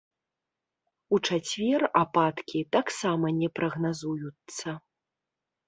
У чацвер ападкі таксама не прагназуюцца.